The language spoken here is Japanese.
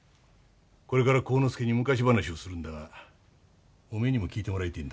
これから晃之助に昔話をするんだがお前にも聞いてもらいてえんだ。